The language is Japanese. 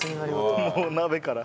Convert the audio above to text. もう鍋から。